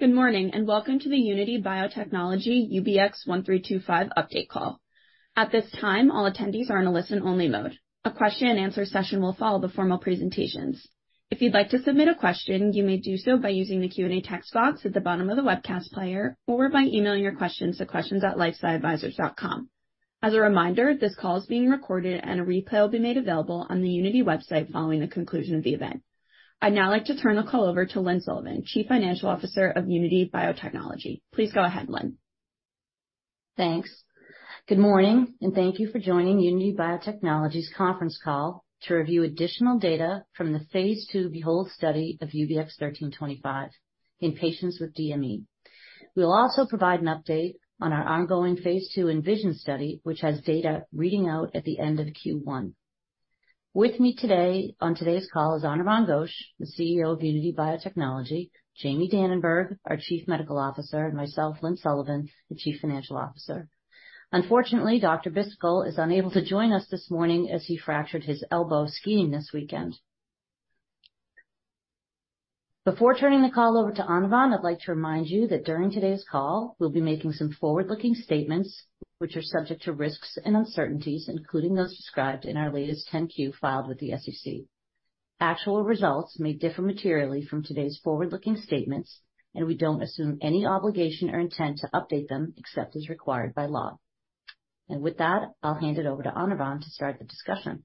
Good morning, and welcome to the Unity Biotechnology UBX1325 update call. At this time, all attendees are in a listen-only mode. A question and answer session will follow the formal presentations. If you'd like to submit a question, you may do so by using the Q&A text box at the bottom of the webcast player or by emailing your questions to questions@lifesciadvisors.com. As a reminder, this call is being recorded and a replay will be made available on the Unity website following the conclusion of the event. I'd now like to turn the call over to Lynne Sullivan, Chief Financial Officer of Unity Biotechnology. Please go ahead, Lynn. Thanks. Good morning, thank you for joining Unity Biotechnology's conference call to review additional data from the phase II BEHOLD study of UBX1325 in patients with DME. We will also provide an update on our ongoing phase II ENVISION study, which has data reading out at the end of Q1. With me today on today's call is Anirvan Ghosh, the CEO of Unity Biotechnology, Jamie Dananberg, our Chief Medical Officer, and myself, Lynne Sullivan, the Chief Financial Officer. Unfortunately, Dr. Bhisitkul is unable to join us this morning as he fractured his elbow skiing this weekend. Before turning the call over to Anirvan, I'd like to remind you that during today's call, we'll be making some forward-looking statements which are subject to risks and uncertainties, including those described in our latest 10-Q filed with the SEC. Actual results may differ materially from today's forward-looking statements, and we don't assume any obligation or intent to update them except as required by law. With that, I'll hand it over to Anirvan to start the discussion.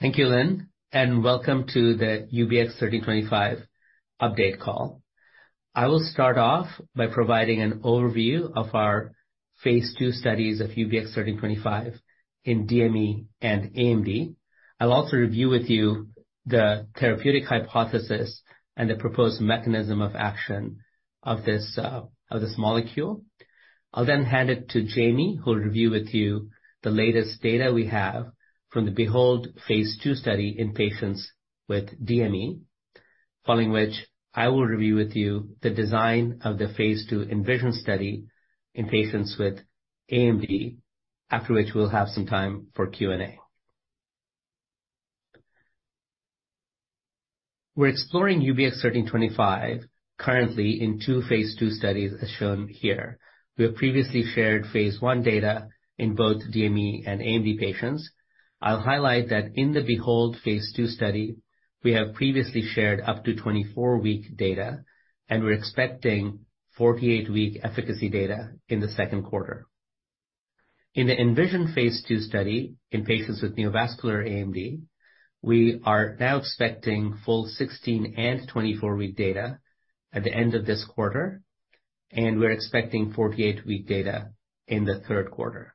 Thank you, Lynne, and welcome to the UBX1325 update call. I will start off by providing an overview of our phase II studies of UBX1325 in DME and AMD. I'll also review with you the therapeutic hypothesis and the proposed mechanism of action of this of this molecule. I'll then hand it to Jamie, who will review with you the latest data we have from the BEHOLD phase II study in patients with DME. Following which, I will review with you the design of the phase II ENVISION study in patients with AMD. After which, we'll have some time for Q&A. We're exploring UBX1325 currently in two phase II studies as shown here. We have previously shared phase I data in both DME and AMD patients. I'll highlight that in the BEHOLD phase II study, we have previously shared up to 24 week data, and we're expecting 48 week efficacy data in the second quarter. In the ENVISION phase II study in patients with neovascular AMD, we are now expecting full 16 and 24 week data at the end of this quarter, and we're expecting 48 week data in the third quarter.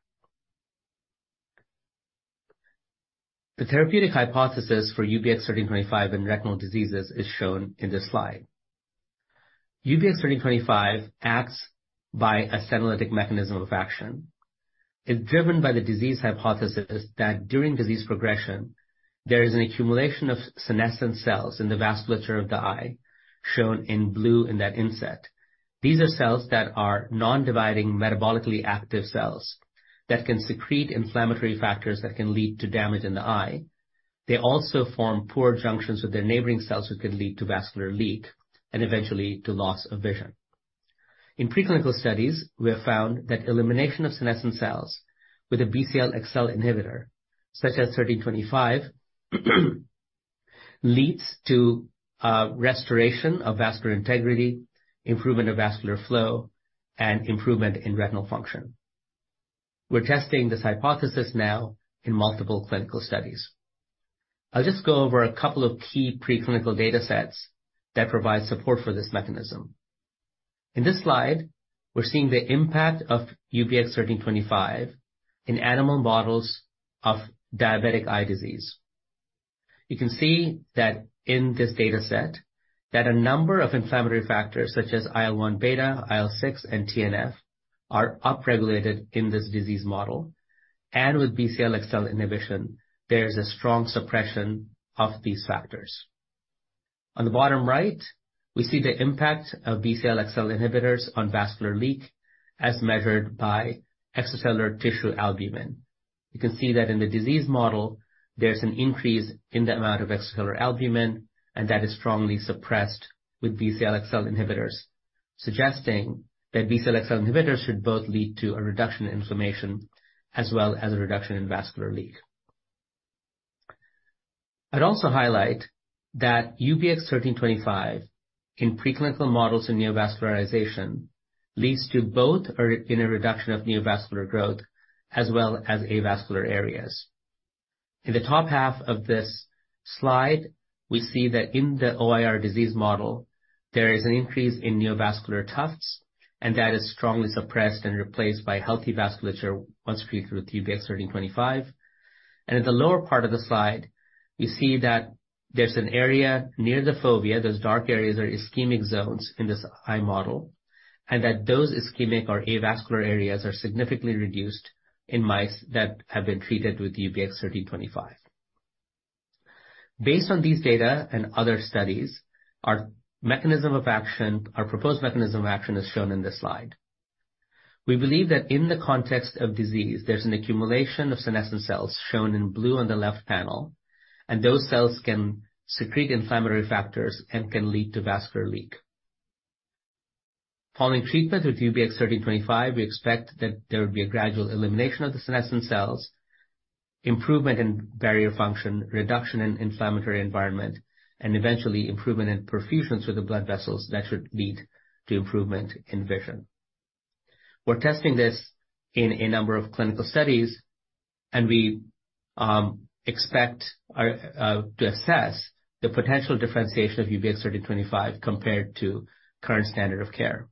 The therapeutic hypothesis for UBX1325 in retinal diseases is shown in this slide. UBX1325 acts by a senolytic mechanism of action. It's driven by the disease hypothesis that during disease progression there is an accumulation of senescent cells in the vasculature of the eye, shown in blue in that inset. These are cells that are non-dividing, metabolically active cells that can secrete inflammatory factors that can lead to damage in the eye. They also form poor junctions with their neighboring cells, which can lead to vascular leak and eventually to loss of vision. In preclinical studies, we have found that elimination of senescent cells with a BCL-xL inhibitor, such as UBX1325, leads to restoration of vascular integrity, improvement of vascular flow, and improvement in retinal function. We're testing this hypothesis now in multiple clinical studies. I'll just go over a couple of key preclinical data sets that provide support for this mechanism. In this slide, we're seeing the impact of UBX1325 in animal models of diabetic eye disease. You can see that in this data set that a number of inflammatory factors such as IL-1 beta, IL-6 and TNF are upregulated in this disease model. With BCL-xL inhibition, there is a strong suppression of these factors. On the bottom right, we see the impact of BCL-xL inhibitors on vascular leak as measured by extracellular tissue albumin. You can see that in the disease model there's an increase in the amount of extracellular albumin, that is strongly suppressed with BCL-xL inhibitors, suggesting that BCL-xL inhibitors should both lead to a reduction in inflammation as well as a reduction in vascular leak. I'd also highlight that UBX1325 in preclinical models in neovascularization leads to both a reduction of neovascular growth as well as avascular areas. In the top half of this slide, we see that in the OIR disease model there is an increase in neovascular tufts that is strongly suppressed and replaced by healthy vasculature once treated with UBX1325. In the lower part of the slide, we see that there's an area near the fovea. Those dark areas are ischemic zones in this eye model, that those ischemic or avascular areas are significantly reduced in mice that have been treated with UBX1325. Based on these data and other studies, our proposed mechanism of action is shown in this slide. We believe that in the context of disease, there's an accumulation of senescent cells shown in blue on the left panel, those cells can secrete inflammatory factors and can lead to vascular leak. Following treatment with UBX1325, we expect that there would be a gradual elimination of the senescent cells, improvement in barrier function, reduction in inflammatory environment, eventually improvement in profusions through the blood vessels that should lead to improvement in vision. We're testing this in a number of clinical studies. We expect or to assess the potential differentiation of UBX1325 compared to current standard of care.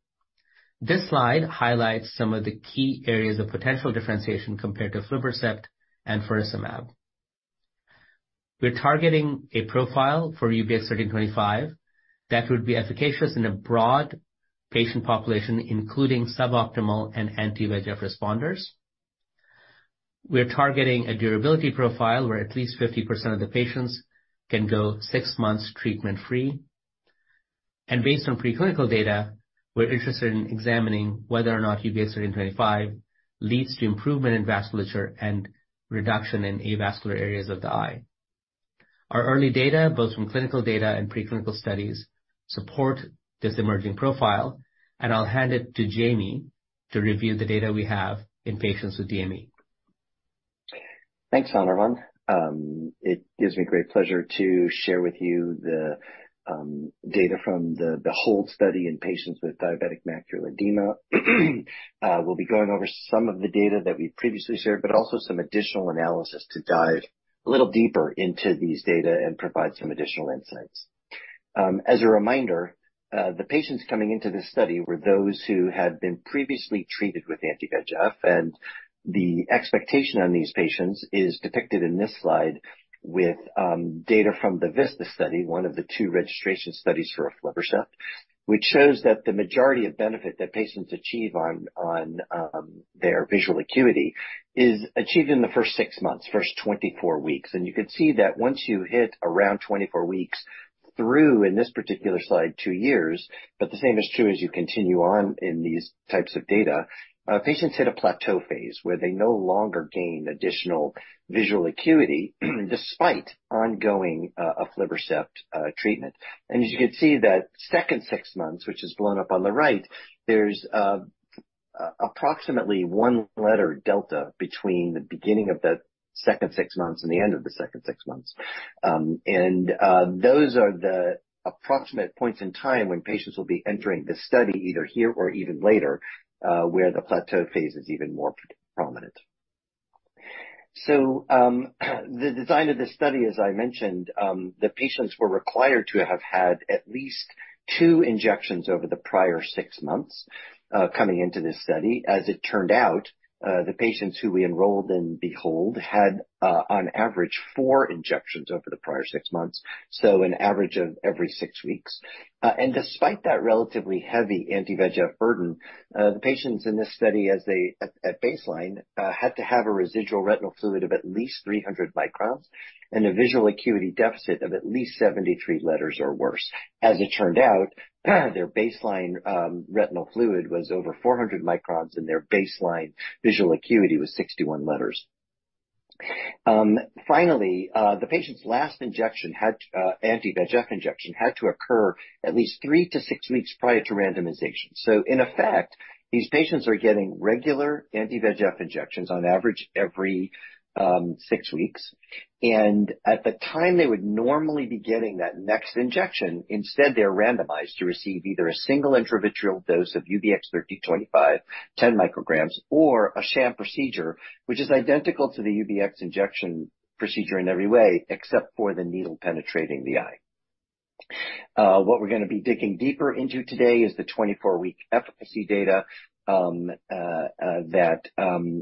This slide highlights some of the key areas of potential differentiation compared to aflibercept and for faricimab. We're targeting a profile for UBX1325 that would be efficacious in a broad patient population, including suboptimal and anti-VEGF responders. We are targeting a durability profile where at least 50% of the patients can go six months treatment-free. Based on preclinical data, we're interested in examining whether or not UBX1325 leads to improvement in vasculature and reduction in avascular areas of the eye. Our early data, both from clinical data and preclinical studies, support this emerging profile, and I'll hand it to Jamie to review the data we have in patients with DME. Thanks, Anirvan. It gives me great pleasure to share with you the data from the BEHOLD study in patients with diabetic macular edema. We'll be going over some of the data that we previously shared, but also some additional analysis to dive a little deeper into these data and provide some additional insights. As a reminder, the patients coming into this study were those who had been previously treated with anti-VEGF. The expectation on these patients is depicted in this slide with data from the VISTA study, one of the two registration studies for, which shows that the majority of benefit that patients achieve on their visual acuity is achieved in the first six months, first 24 weeks. You can see that once you hit around 24 weeks through, in this particular slide, two years, but the same is true as you continue on in these types of data, patients hit a plateau phase where they no longer gain additional visual acuity despite ongoing aflibercept treatment. As you can see, that second six months, which is blown up on the right, there's approximately one letter delta between the beginning of the second six months and the end of the second six months. Those are the approximate points in time when patients will be entering this study either here or even later, where the plateau phase is even more prominent. The design of this study, as I mentioned, the patients were required to have had at least two injections over the prior six months, coming into this study. As it turned out, the patients who we enrolled in BEHOLD had, on average, four injections over the prior six months, so an average of every six weeks. Despite that relatively heavy anti-VEGF burden, the patients in this study as they at baseline, had to have a residual retinal fluid of at least 300 microns and a visual acuity deficit of at least 73 letters or worse. As it turned out, their baseline retinal fluid was over 400 microns, and their baseline visual acuity was 61 letters. Finally, the patient's last injection had anti-VEGF injection had to occur at least three to six weeks prior to randomization. In effect, these patients are getting regular anti-VEGF injections on average every six weeks. At the time they would normally be getting that next injection, instead, they're randomized to receive either a single intravitreal dose of UBX1325 10 micrograms or a sham procedure, which is identical to the UBX injection procedure in every way except for the needle penetrating the eye. What we're gonna be digging deeper into today is the 24-week efficacy data that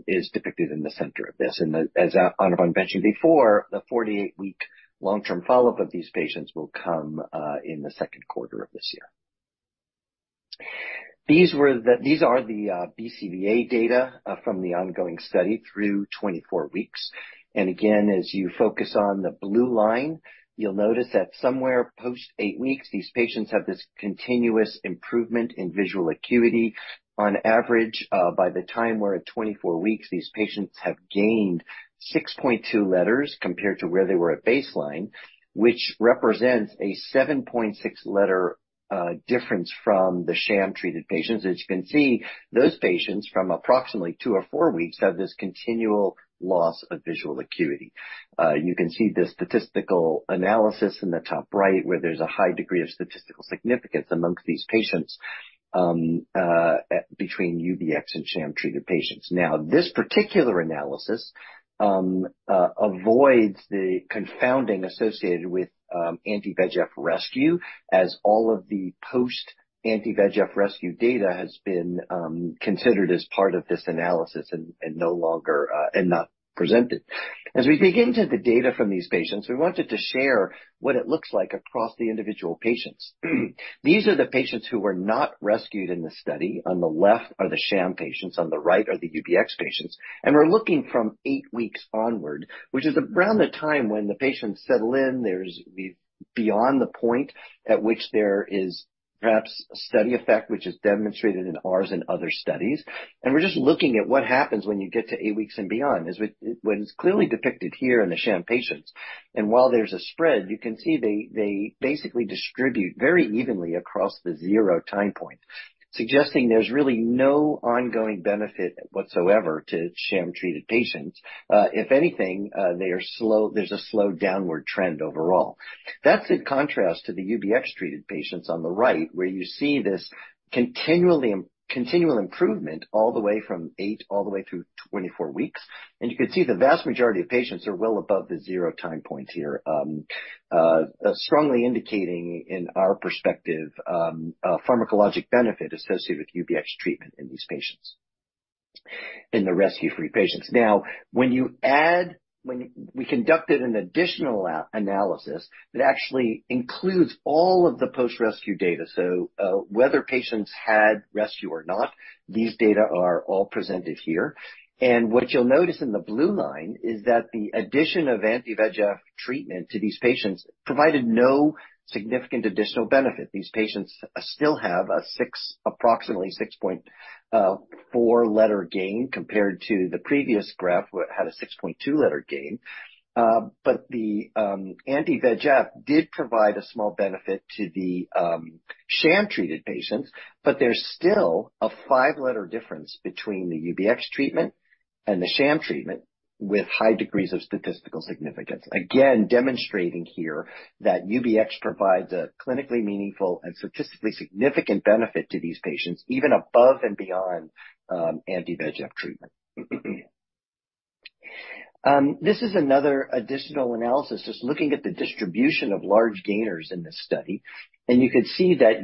is depicted in the center of this. As Anirvan mentioned before, the 48-week long-term follow-up of these patients will come in the second quarter of this year. These are the BCVA data from the ongoing study through 24 weeks. Again, as you focus on the blue line, you'll notice that somewhere post eight weeks, these patients have this continuous improvement in visual acuity. On average, by the time we're at 24 weeks, these patients have gained 6.2 letters compared to where they were at baseline, which represents a 7.6 letter difference from the sham treated patients. As you can see, those patients from approximately two or four weeks, have this continual loss of visual acuity. You can see the statistical analysis in the top right where there's a high degree of statistical significance amongst these patients, between UBX and sham treated patients. This particular analysis avoids the confounding associated with anti-VEGF rescue, as all of the post anti-VEGF rescue data has been considered as part of this analysis and no longer, and not presented. As we dig into the data from these patients, we wanted to share what it looks like across the individual patients. These are the patients who were not rescued in the study. On the left are the sham patients, on the right are the UBX patients. We're looking from eight weeks onward, which is around the time when the patients settle in. Beyond the point at which there is perhaps a study effect which is demonstrated in ours and other studies. We're just looking at what happens when you get to eight weeks and beyond, as what is clearly depicted here in the sham patients. While there's a spread, you can see they basically distribute very evenly across the zero time point, suggesting there's really no ongoing benefit whatsoever to sham-treated patients. If anything, they are slow-- there's a slow downward trend overall. That's in contrast to the UBX-treated patients on the right where you see this continual improvement all the way from eight all the way through 24 weeks. You can see the vast majority of patients are well above the zero time points here, strongly indicating in our perspective, a pharmacologic benefit associated with UBX treatment in these patients, in the rescue-free patients. When we conducted an additional analysis that actually includes all of the post-rescue data. Whether patients had rescue or not, these data are all presented here. What you'll notice in the blue line is that the addition of anti-VEGF treatment to these patients provided no significant additional benefit. These patients still have approximately 6.4-letter gain compared to the previous graph, what had a 6.2-letter gain. The anti-VEGF did provide a small benefit to the sham-treated patients, but there's still a 5-letter difference between the UBX treatment and the sham treatment with high degrees of statistical significance. Again, demonstrating here that UBX provides a clinically meaningful and statistically significant benefit to these patients, even above and beyond anti-VEGF treatment. This is another additional analysis, just looking at the distribution of large gainers in this study. You can see that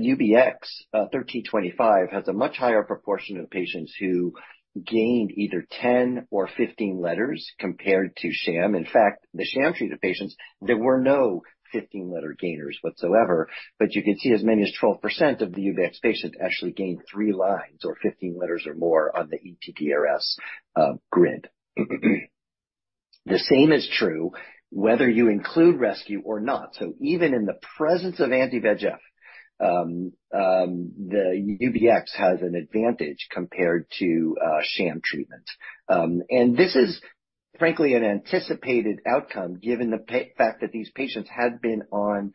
UBX1325 has a much higher proportion of patients who gained either 10 or 15 letters compared to sham. In fact, the sham-treated patients, there were no 15-letter gainers whatsoever. You can see as many as 12% of the UBX patients actually gained three lines or 15 letters or more on the ETDRS grid. The same is true whether you include rescue or not. Even in the presence of anti-VEGF, the UBX has an advantage compared to sham treatment. This is frankly an anticipated outcome given the fact that these patients had been on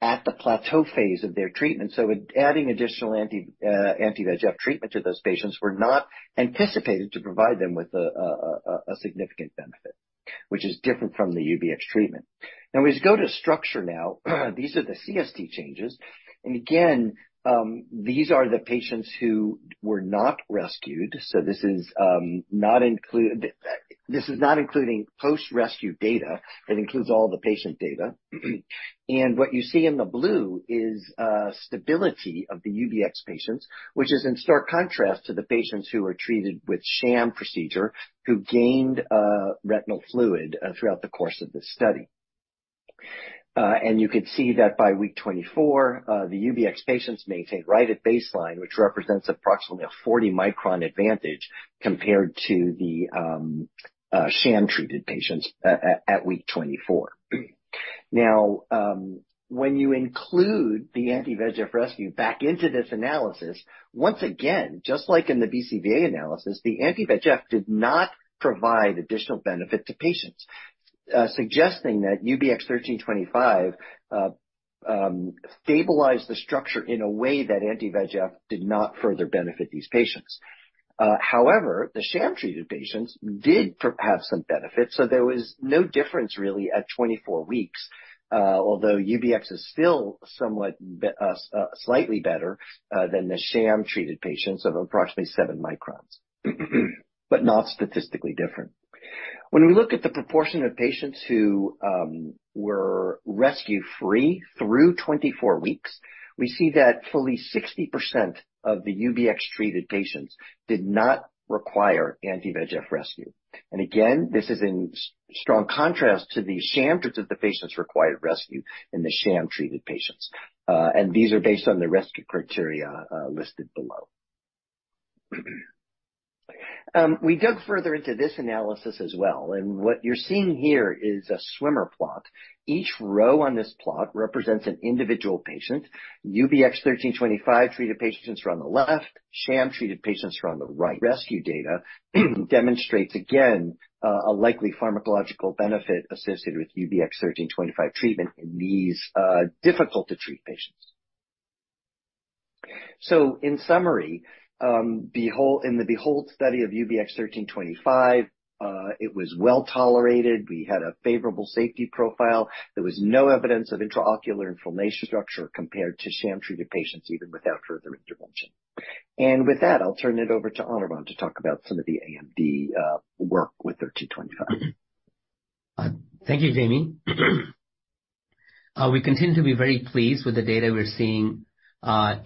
at the plateau phase of their treatment. Adding additional anti-VEGF treatment to those patients were not anticipated to provide them with a significant benefit, which is different from the UBX treatment. As we go to structure now, these are the CST changes. Again, these are the patients who were not rescued. This is not including post-rescue data. It includes all the patient data. What you see in the blue is stability of the UBX patients, which is in stark contrast to the patients who were treated with sham procedure, who gained retinal fluid throughout the course of this study. You can see that by week 24, the UBX patients maintained right at baseline, which represents approximately a 40-micron advantage compared to the sham-treated patients at week 24. When you include the anti-VEGF rescue back into this analysis, once again, just like in the BCVA analysis, the anti-VEGF did not provide additional benefit to patients, suggesting that UBX1325 stabilized the structure in a way that anti-VEGF did not further benefit these patients. However, the sham-treated patients did have some benefits, so there was no difference really at 24 weeks. Although UBX is still somewhat slightly better than the sham-treated patients of approximately 7 microns. Not statistically different. When we look at the proportion of patients who were rescue-free through 24 weeks, we see that fully 60% of the UBX-treated patients did not require anti-VEGF rescue. Again, this is in strong contrast to the sham-treated, the patients required rescue in the sham-treated patients. These are based on the rescue criteria listed below. We dug further into this analysis as well, and what you're seeing here is a swimmer plot. Each row on this plot represents an individual patient. UBX1325 treated patients are on the left, sham-treated patients are on the right. Rescue data demonstrates again, a likely pharmacological benefit associated with UBX1325 treatment in these, difficult to treat patients. In summary, in the BEHOLD study of UBX1325, it was well-tolerated. We had a favorable safety profile. There was no evidence of intraocular inflammation compared to sham-treated patients even without further intervention. With that, I'll turn it over to Anirvan to talk about some of the AMD work with 1325. Thank you, Jamie. We continue to be very pleased with the data we're seeing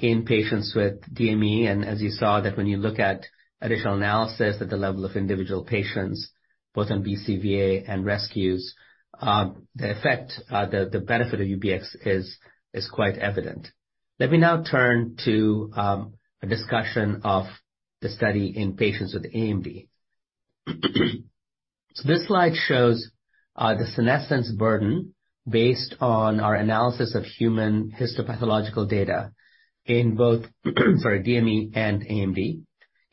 in patients with DME. As you saw that when you look at additional analysis at the level of individual patients, both on BCVA and rescues, the effect, the benefit of UBX is quite evident. Let me now turn to a discussion of the study in patients with AMD. This slide shows the senescence burden based on our analysis of human histopathological data in both sorry, DME and AMD.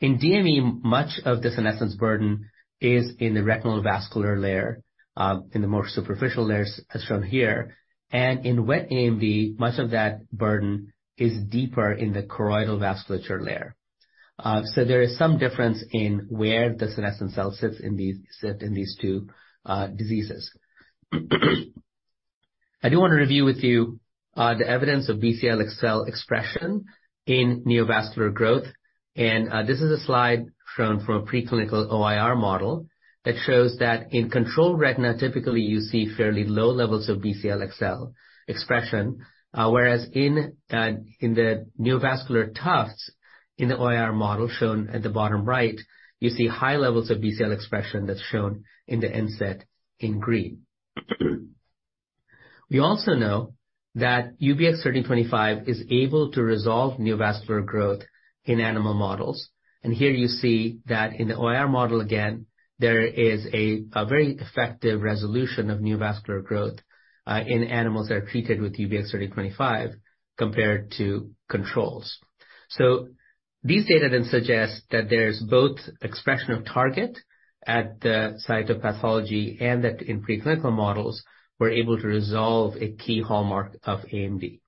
In DME, much of the senescence burden is in the retinal vascular layer in the more superficial layers, as shown here. In wet AMD, much of that burden is deeper in the choroidal vasculature layer. There is some difference in where the senescent cell sit in these two diseases. I do want to review with you the evidence of BCL-xL expression in neovascular growth. This is a slide shown from a preclinical OIR model that shows that in controlled retina, typically you see fairly low levels of BCL-xL expression. Whereas in the neovascular tufts, in the OIR model shown at the bottom right, you see high levels of BCL expression that's shown in the inset in green. We also know that UBX1325 is able to resolve neovascular growth in animal models. Here you see that in the OIR model again, there is a very effective resolution of neovascular growth in animals that are treated with UBX1325 compared to controls. These data then suggest that there is both expression of target at the site of pathology and that in preclinical models, we're able to resolve a key hallmark of AMD.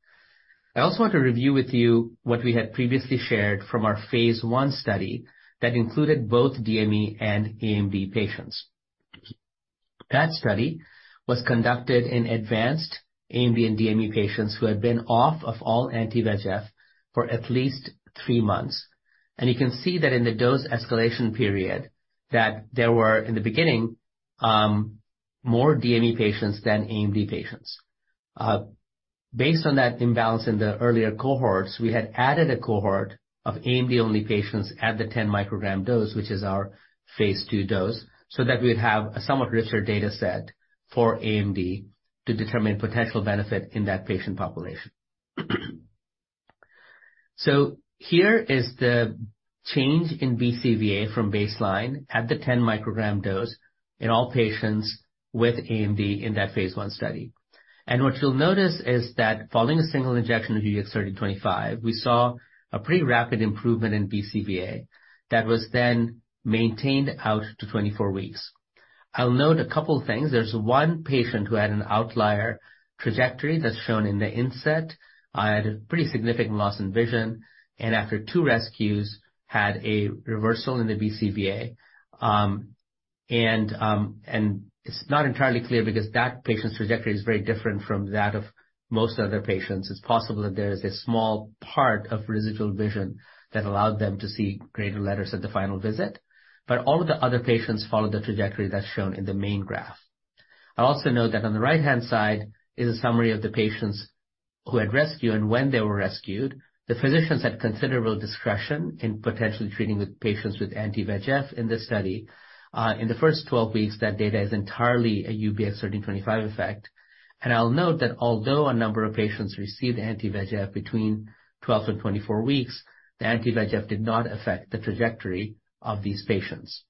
I also want to review with you what we had previously shared from our phase I study that included both DME and AMD patients. That study was conducted in advanced AMD and DME patients who had been off of all anti-VEGF for at least three months. You can see that in the dose escalation period that there were, in the beginning, more DME patients than AMD patients. Based on that imbalance in the earlier cohorts, we had added a cohort of AMD-only patients at the 10 microgram dose, which is our phase II dose, so that we'd have a somewhat richer data set for AMD to determine potential benefit in that patient population. Here is the change in BCVA from baseline at the 10 microgram dose in all patients with AMD in that phase I study. What you'll notice is that following a single injection of UBX1325, we saw a pretty rapid improvement in BCVA that was then maintained out to 24 weeks. I'll note a couple things. There's one patient who had an outlier trajectory that's shown in the inset, had a pretty significant loss in vision, and after two rescues, had a reversal in the BCVA. It's not entirely clear because that patient's trajectory is very different from that of most other patients. It's possible that there is a small part of residual vision that allowed them to see greater letters at the final visit. All of the other patients followed the trajectory that's shown in the main graph. I also note that on the right-hand side is a summary of the patients who had rescue and when they were rescued. The physicians had considerable discretion in potentially treating the patients with anti-VEGF in this study. In the first 12 weeks, that data is entirely a UBX1325 effect. I'll note that although a number of patients received anti-VEGF between 12 and 24 weeks, the anti-VEGF did not affect the trajectory of these patients.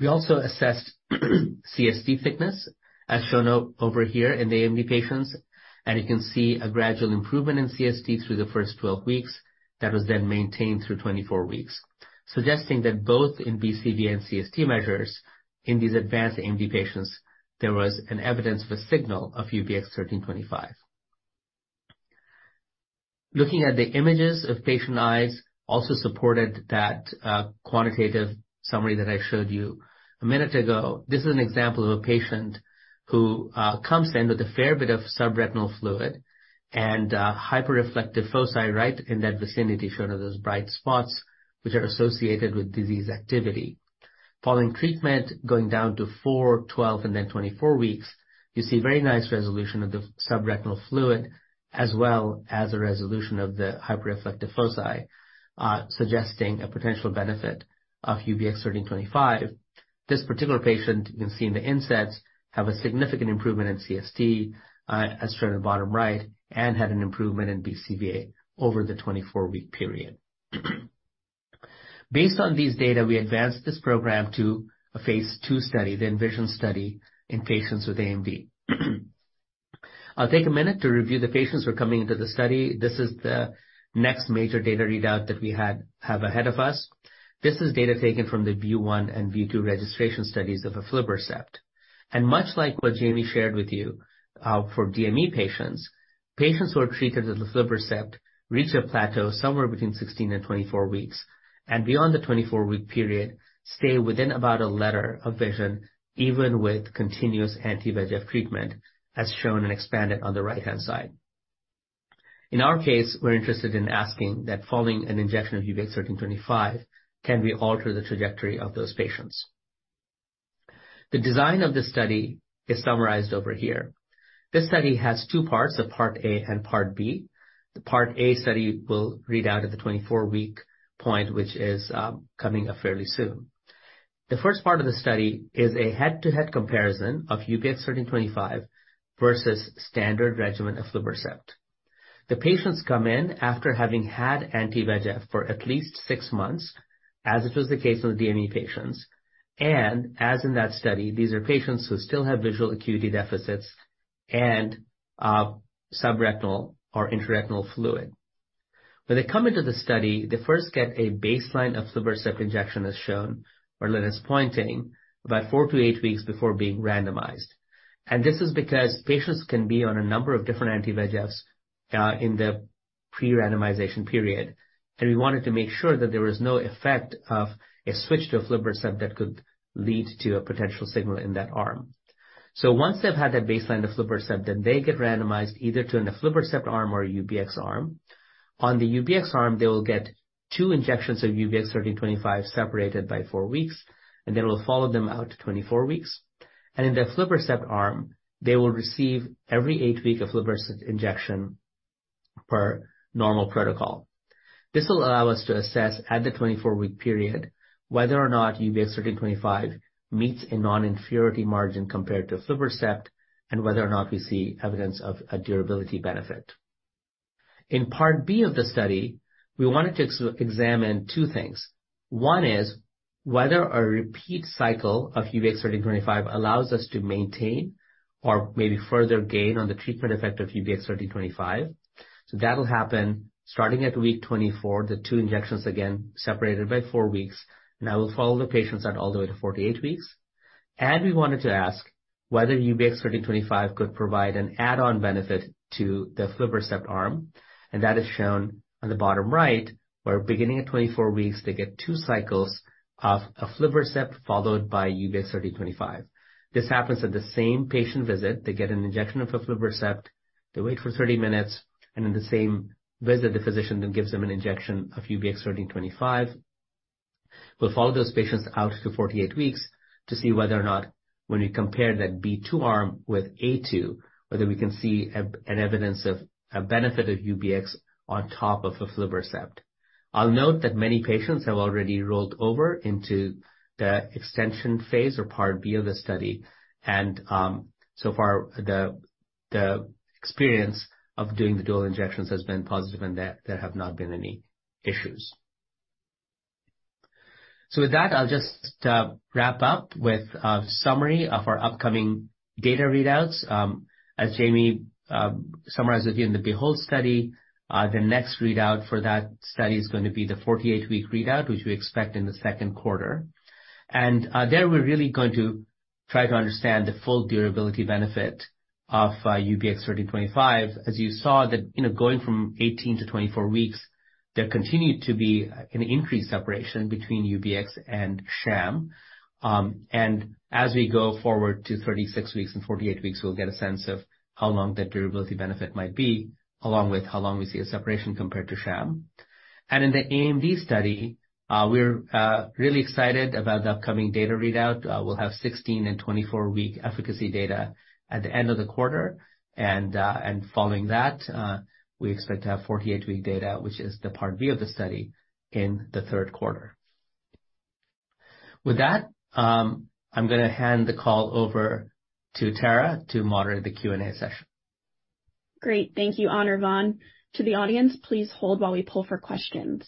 We also assessed CST thickness, as shown over here in the AMD patients. You can see a gradual improvement in CST through the first 12 weeks that was then maintained through 24 weeks, suggesting that both in BCVA and CST measures in these advanced AMD patients, there was an evidence for signal of UBX1325. Looking at the images of patient eyes also supported that quantitative summary that I showed you a minute ago. This is an example of a patient who comes in with a fair bit of subretinal fluid and hyperreflective foci right in that vicinity, shown as those bright spots, which are associated with disease activity. Following treatment, going down to four, 12, and then 24 weeks, you see very nice resolution of the subretinal fluid, as well as a resolution of the hyperreflective foci, suggesting a potential benefit of UBX1325. This particular patient, you can see in the insets, have a significant improvement in CST, as shown in the bottom right, and had an improvement in BCVA over the 24-week period. Based on these data, we advanced this program to a phase II study, the ENVISION study in patients with AMD. I'll take a minute to review the patients who are coming into the study. This is the next major data readout that we have ahead of us. This is data taken from the VIEW 1 and VIEW 2 registration studies of aflibercept. Much like what Jamie shared with you, for DME patients who are treated with aflibercept reach a plateau somewhere between 16 and 24 weeks. Beyond the 24 week period, stay within about a letter of vision, even with continuous anti-VEGF treatment, as shown and expanded on the right-hand side. In our case, we're interested in asking that following an injection of UBX1325, can we alter the trajectory of those patients? The design of this study is summarized over here. This study has two parts, a part A and part B. The part A study will read out at the 24-week point, which is coming up fairly soon. The first part of the study is a head-to-head comparison of UBX1325 versus standard regimen aflibercept. The patients come in after having had anti-VEGF for at least six months, as it was the case with the DME patients. As in that study, these are patients who still have visual acuity deficits and subretinal or intraretinal fluid. When they come into the study, they first get a baseline aflibercept injection, as shown, or as Lynne is pointing, about four to eight weeks before being randomized. This is because patients can be on a number of different anti-VEGFs in the pre-randomization period. We wanted to make sure that there was no effect of a switch to aflibercept that could lead to a potential signal in that arm. Once they've had that baseline aflibercept, they get randomized either to an aflibercept arm or a UBX arm. On the UBX arm, they will get two injections of UBX1325 separated by four weeks, and then we'll follow them out to 24 weeks. In the aflibercept arm, they will receive every eight week aflibercept injection per normal protocol. This will allow us to assess at the 24 week period whether or not UBX1325 meets a non-inferiority margin compared to aflibercept, and whether or not we see evidence of a durability benefit. In part B of the study, we wanted to examine two things. One is whether a repeat cycle of UBX1325 allows us to maintain or maybe further gain on the treatment effect of UBX1325. That'll happen starting at week 24. The two injections, again, separated by four weeks. I will follow the patients out all the way to 48 weeks. We wanted to ask whether UBX1325 could provide an add-on benefit to the aflibercept arm, and that is shown on the bottom right, where beginning at 24 weeks, they get two cycles of aflibercept followed by UBX1325. This happens at the same patient visit. They get an injection of aflibercept, they wait for 30 minutes, and in the same visit, the physician then gives them an injection of UBX1325. We'll follow those patients out to 48 weeks to see whether or not when we compare that B2 arm with A2, whether we can see an evidence of a benefit of UBX on top of aflibercept. I'll note that many patients have already rolled over into the extension phase or part B of the study. So far, the experience of doing the dual injections has been positive and there have not been any issues. With that, I'll just wrap up with a summary of our upcoming data readouts. As Jamie summarized with you in the BEHOLD study, the next readout for that study is gonna be the 48-week readout, which we expect in the 2nd quarter. There, we're really going to try to understand the full durability benefit of UBX1325. As you saw that, you know, going from 18 to 24 weeks, there continued to be an increased separation between UBX and sham. As we go forward to 36 weeks and 48 weeks, we'll get a sense of how long that durability benefit might be, along with how long we see a separation compared to sham. In the AMD study, we're really excited about the upcoming data readout. We'll have 16 and 24 week efficacy data at the end of the quarter. Following that, we expect to have 48 week data, which is the part B of the study, in the third quarter. With that, I'm gonna hand the call over to Tara to moderate the Q&A session. Great. Thank you, Anirvan. To the audience, please hold while we pull for questions.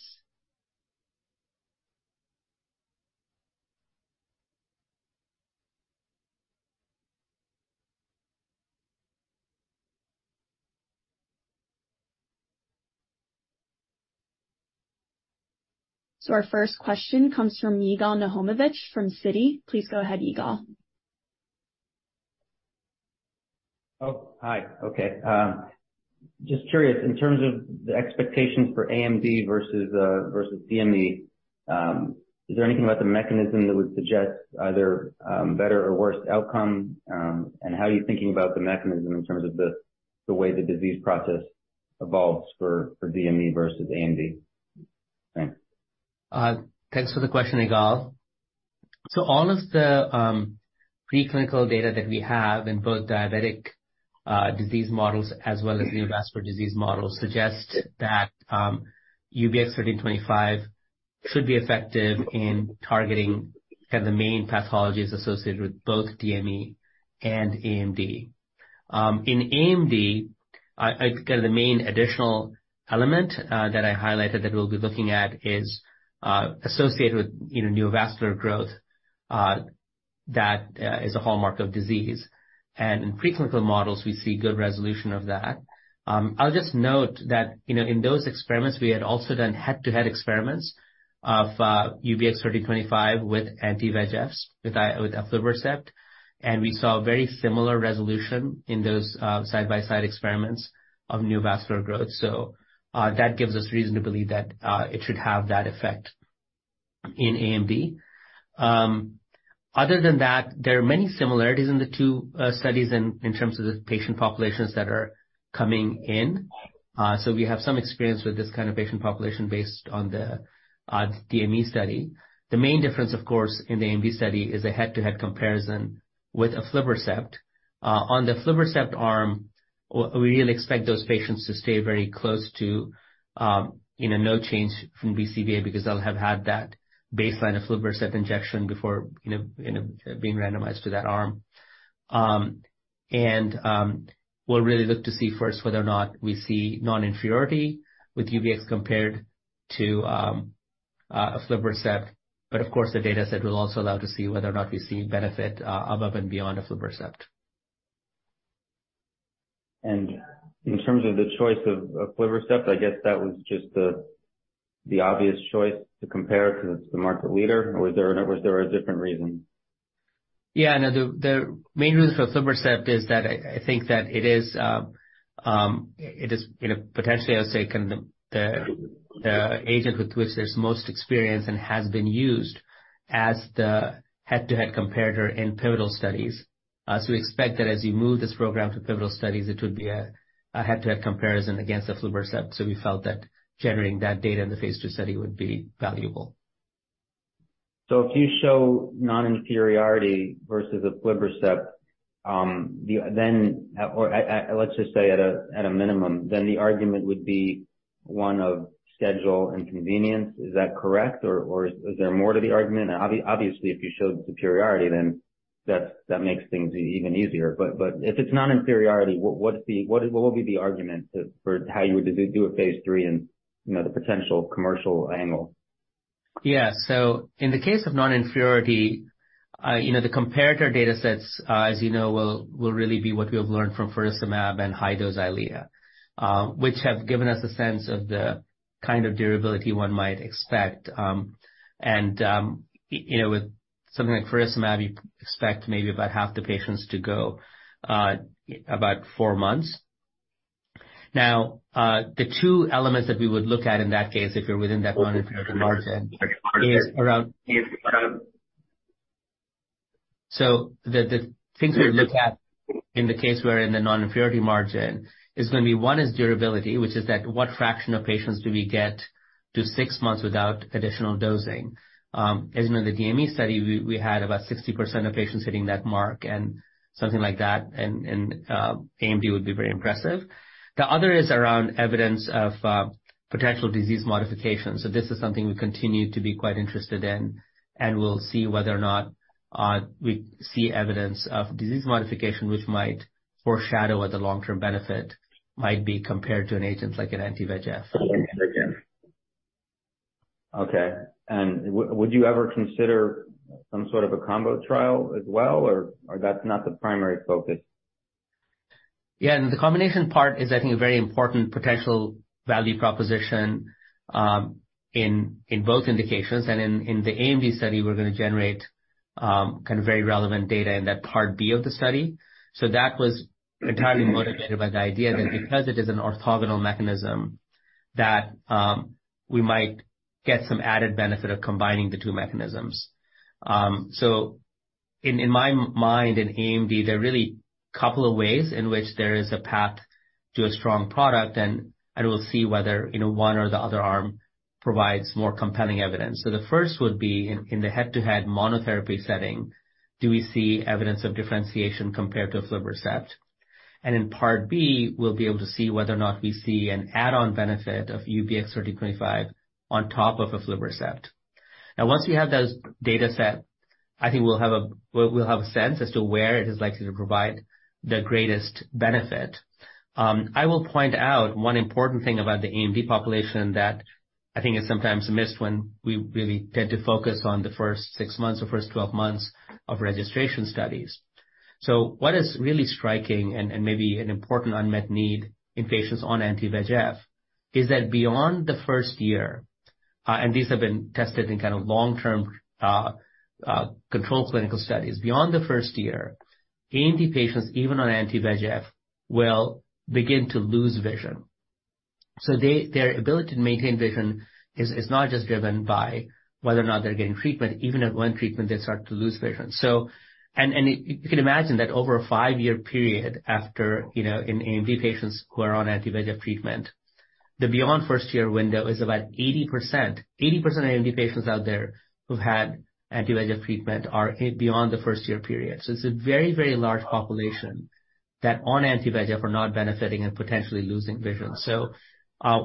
Our first question comes from Yigal Nochomovitz from Citi. Please go ahead, Yigal. Oh, hi. Okay. Just curious, in terms of the expectations for AMD versus DME, is there anything about the mechanism that would suggest either, better or worse outcome? How are you thinking about the mechanism in terms of the way the disease process evolves for DME versus AMD? Thanks. Thanks for the question, Yigal. All of the preclinical data that we have in both diabetic disease models as well as neovascular disease models suggest that UBX1325 should be effective in targeting kind of the main pathologies associated with both DME and AMD. In AMD, kind of the main additional element that I highlighted that we'll be looking at is associated with, you know, neovascular growth that is a hallmark of disease. In preclinical models, we see good resolution of that. I'll just note that, you know, in those experiments, we had also done head-to-head experiments of UBX1325 with anti-VEGFs, with aflibercept, we saw very similar resolution in those side-by-side experiments of neovascular growth. That gives us reason to believe that it should have that effect in AMD. Other than that, there are many similarities in the two studies in terms of the patient populations that are coming in. We have some experience with this kind of patient population based on the DME study. The main difference, of course, in the AMD study is a head-to-head comparison with aflibercept. On the aflibercept arm, we really expect those patients to stay very close to, you know, no change from BCVA because they'll have had that baseline aflibercept injection before being randomized to that arm. And we'll really look to see first whether or not we see non-inferiority with UBX compared to aflibercept. Of course, the data set will also allow to see whether or not we see benefit, above and beyond aflibercept. In terms of the choice of Aflibercept, I guess that was just the obvious choice to compare it 'cause it's the market leader. Was there a different reason? No, the main reason for aflibercept is that I think that it is, you know, potentially, I would say, kind of the agent with which there's most experience and has been used as the head-to-head comparator in pivotal studies. We expect that as you move this program to pivotal studies, it would be a head-to-head comparison against aflibercept. We felt that generating that data in the phase II study would be valuable. If you show non-inferiority versus aflibercept, then or let's just say at a minimum, then the argument would be one of schedule and convenience. Is that correct? Is there more to the argument? Obviously, if you showed superiority, then that makes things even easier. If it's non-inferiority, what would be the argument for how you would do a phase III and, you know, the potential commercial angle? In the case of non-inferiority, you know, the comparator datasets, as you know, will really be what we have learned from faricimab and high-dose Eylea, which have given us a sense of the kind of durability one might expect. You know, with something like faricimab, you expect maybe about half the patients to go about four months. The two elements that we would look at in that case, if you're within that non-inferiority margin, the things we look at in the case where in the non-inferiority margin is gonna be, one, is durability, which is that what fraction of patients do we get to six months without additional dosing? As you know, in the DME study, we had about 60% of patients hitting that mark and something like that in AMD would be very impressive. The other is around evidence of potential disease modification. This is something we continue to be quite interested in, and we'll see whether or not we see evidence of disease modification, which might foreshadow what the long-term benefit might be compared to an agent like an anti-VEGF. Okay. would you ever consider some sort of a combo trial as well, or that's not the primary focus? Yeah. The combination part is, I think, a very important potential value proposition, in both indications. In the AMD study, we're gonna generate, kind of very relevant data in that part B of the study. That was entirely motivated by the idea that because it is an orthogonal mechanism, that we might get some added benefit of combining the two mechanisms. In my mind, in AMD, there are really a couple of ways in which there is a path to a strong product, and we'll see whether, you know, one or the other arm provides more compelling evidence. The first would be in the head-to-head monotherapy setting, do we see evidence of differentiation compared to aflibercept? In part B, we'll be able to see whether or not we see an add-on benefit of UBX1325 on top of aflibercept. Once we have those dataset, I think we'll have a sense as to where it is likely to provide the greatest benefit. I will point out one important thing about the AMD population that I think is sometimes missed when we really tend to focus on the first six months or first 12 months of registration studies. What is really striking and maybe an important unmet need in patients on anti-VEGF is that beyond the 1st year, and these have been tested in kind of long-term controlled clinical studies. Beyond the 1st year, AMD patients, even on anti-VEGF, will begin to lose vision. Their ability to maintain vision is not just driven by whether or not they're getting treatment. Even at one treatment, they start to lose vision. And you can imagine that over a five-year period after, you know, in AMD patients who are on anti-VEGF treatment, the beyond first year window is about 80%. 80% of AMD patients out there who've had anti-VEGF treatment are beyond the first year period. It's a very, very large population that on anti-VEGF are not benefiting and potentially losing vision.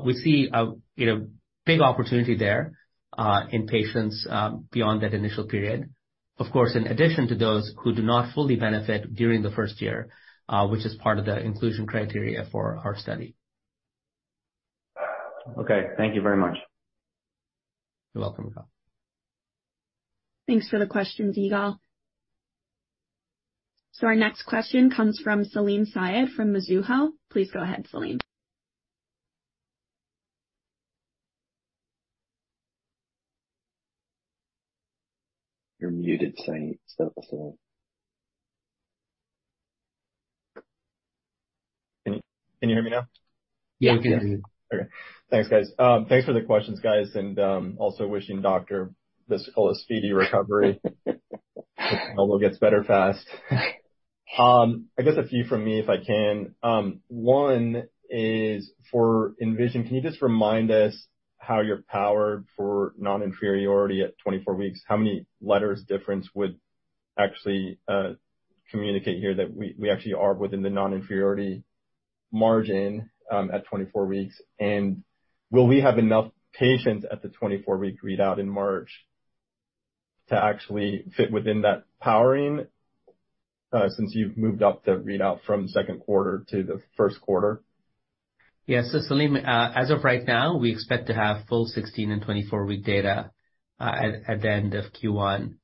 We see a, you know, big opportunity there in patients beyond that initial period. Of course, in addition to those who do not fully benefit during the first year, which is part of the inclusion criteria for our study. Okay. Thank you very much. You're welcome. Thanks for the questions, Yigal. Our next question comes from Salim Syed from Mizuho. Please go ahead, Salim. You're muted, Syed. Can you hear me now? Yeah. We can hear you. Okay. Thanks, guys. Thanks for the questions, guys, also wishing doctor the fullest speedy recovery. Hope he gets better fast. I guess a few from me if I can. One is for ENVISION. Can you just remind us how you're powered for non-inferiority at 24 weeks? How many letters difference actually communicate here that we actually are within the non-inferiority margin at 24 weeks. Will we have enough patients at the 24-week readout in March to actually fit within that powering since you've moved up the readout from second quarter to the first quarter? Salim, as of right now, we expect to have full 16 and 24 week data at the end of Q1,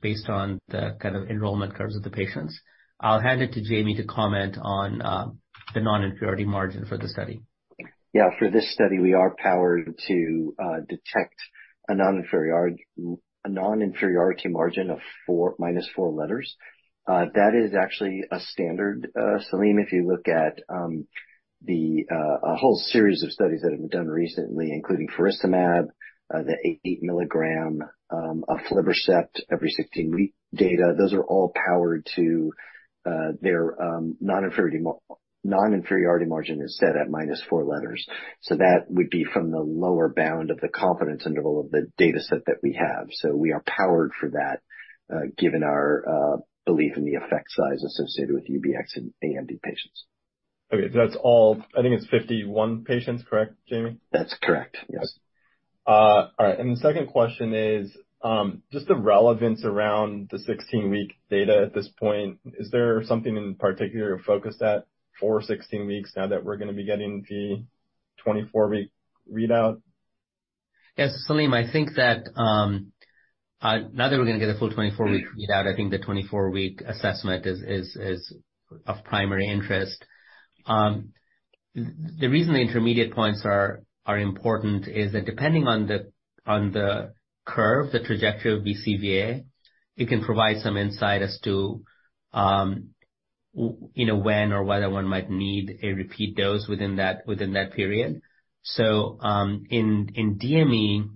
based on the kind of enrollment curves of the patients. I'll hand it to Jamie to comment on the non-inferiority margin for the study. For this study, we are powered to detect a non-inferiority margin of 4, minus 4 letters. That is actually a standard, Salim. If you look at the a whole series of studies that have been done recently, including faricimab, the 8 mg of aflibercept every 16 week data, those are all powered to their non-inferiority margin is set at minus 4 letters. That would be from the lower bound of the confidence interval of the data set that we have. We are powered for that, given our belief in the effect size associated with UBX in AMD patients. Okay. That's all. I think it's 51 patients, correct, Jamie? That's correct. Yes. All right. The second question is, just the relevance around the 16-week data at this point. Is there something in particular you're focused at for 16 weeks now that we're gonna be getting the 24-week readout? Yes. Salim, I think that now that we're gonna get a full 24-week readout, I think the 24-week assessment is of primary interest. The reason the intermediate points are important is that depending on the curve, the trajectory of BCVA, it can provide some insight as to, you know, when or whether one might need a repeat dose within that, within that period. In DME,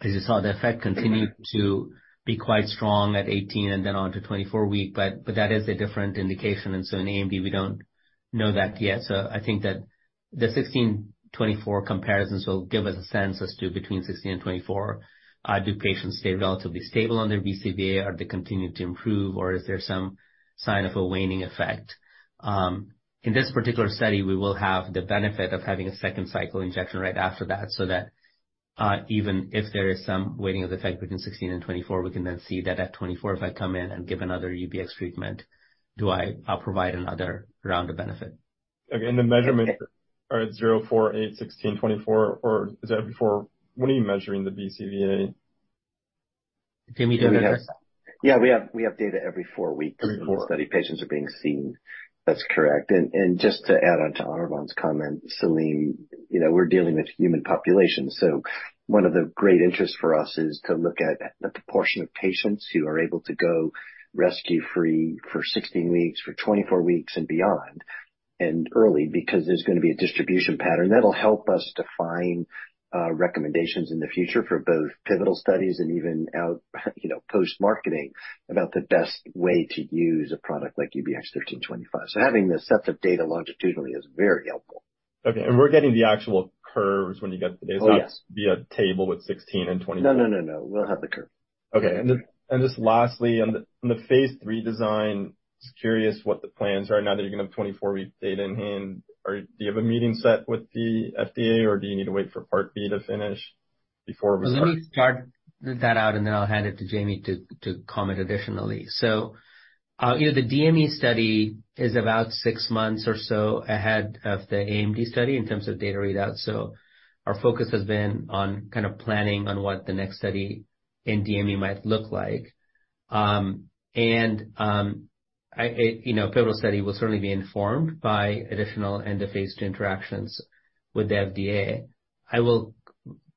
as you saw, the effect continued to be quite strong at 18 and then onto 24-week. That is a different indication, and so in AMD, we don't know that yet. I think that the 16, 24 comparisons will give us a sense as to between 16 and 24, do patients stay relatively stable on their BCVA? They continue to improve or is there some sign of a waning effect? In this particular study, we will have the benefit of having a second cycle injection right after that, so that, even if there is some waning of effect between 16 and 24, we can then see that at 24. If I come in and give another UBX treatment, do I provide another round of benefit? Okay. The measurements are at zero, four, eight, 16, 24? When are you measuring the BCVA? Jamie, do you want to take this? Yeah, we have data every four weeks. Four weeks. The whole study, patients are being seen. That's correct. Just to add on to Anirvan's comment, Salim, you know, we're dealing with human populations, so one of the great interests for us is to look at the proportion of patients who are able to go rescue free for 16 weeks, for 24 weeks and beyond and early, because there's gonna be a distribution pattern. That'll help us define recommendations in the future for both pivotal studies and even out, you know, post-marketing about the best way to use a product like UBX1325. Having the sets of data longitudinally is very helpful. Okay. We're getting the actual curves when you get the data sets? Oh, yes. Via table with 16 and 24. No, no, no. We'll have the curve. Okay. Just, and just lastly, on the phase III design, just curious what the plans are now that you're gonna have 24 week data in hand. Do you have a meeting set with the FDA or do you need to wait for part B to finish before- Let me start that out, and then I'll hand it to Jamie to comment additionally. You know, the DME study is about six months or so ahead of the AMD study in terms of data readout. Our focus has been on kind of planning on what the next study in DME might look like. You know, pivotal study will certainly be informed by additional end-of-phase II interactions with the FDA. I will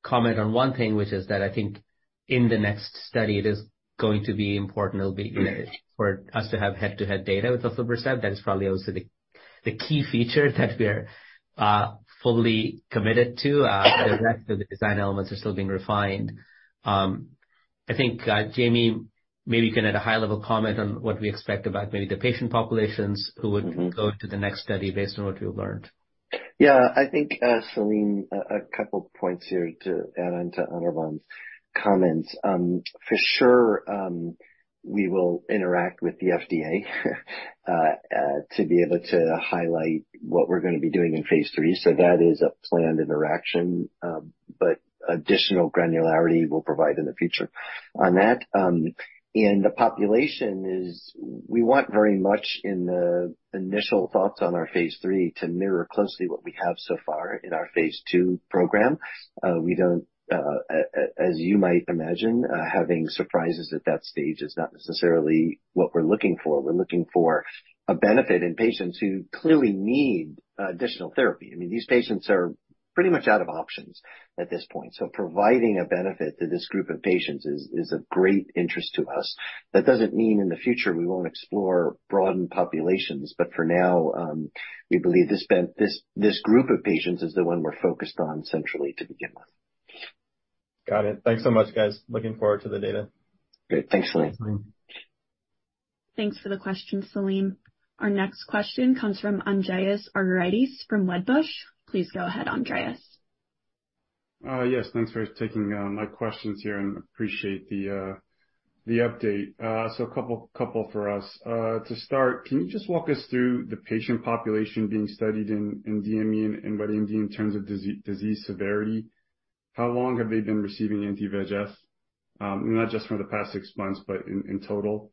comment on one thing, which is that I think in the next study it is going to be important, it'll be, you know, for us to have head-to-head data with aflibercept. That is probably also the key feature that we're fully committed to. The rest of the design elements are still being refined. I think, Jamie, maybe you can at a high level comment on what we expect about maybe the patient populations who would go to the next study based on what we've learned. Yeah. I think, Salim, a couple points here to add on to Anirvan's comments. For sure, we will interact with the FDA to be able to highlight what we're gonna be doing in phase III. That is a planned interaction. But additional granularity we'll provide in the future on that. We want very much in the initial thoughts on our phase three to mirror closely what we have so far in our phase II program. We don't, as you might imagine, having surprises at that stage is not necessarily what we're looking for. We're looking for a benefit in patients who clearly need additional therapy. I mean, these patients are pretty much out of options at this point, so providing a benefit to this group of patients is of great interest to us. That doesn't mean in the future we won't explore broadened populations, but for now, we believe this group of patients is the one we're focused on centrally to begin with. Got it. Thanks so much, guys. Looking forward to the data. Great. Thanks, Salim. Thanks, Salim. Thanks for the question, Salim. Our next question comes from Andreas Argyrides from Wedbush. Please go ahead, Andreas. Yes, thanks for taking my questions here and appreciate the update. A couple for us. To start, can you just walk us through the patient population being studied in DME and by DME, in terms of disease severity? How long have they been receiving anti-VEGF? Not just for the past six months, but in total.